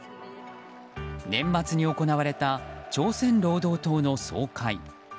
年末に行われた朝鮮労働党の総会。